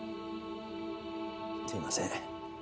すみません。